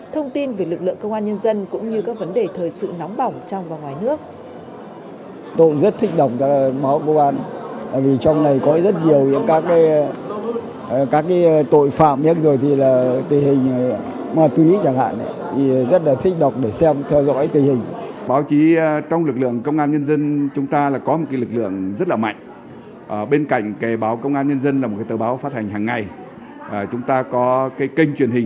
thông tin về lực lượng công an nhân dân cũng như các vấn đề thời sự nóng bỏng trong và ngoài nước